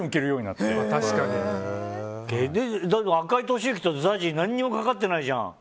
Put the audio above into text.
だって赤井俊之とＺＡＺＹ何もかかってないじゃん。